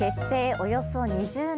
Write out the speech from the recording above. およそ２０年。